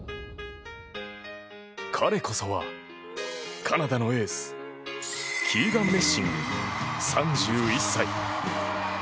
彼こそはカナダのエースキーガン・メッシング、３１歳。